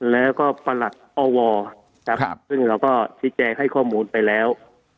แล้วก็ประหลัดอวครับซึ่งเราก็ชี้แจงให้ข้อมูลไปแล้ว